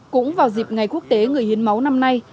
cũng vào dịp ngày quốc tế người hiến máu năm nay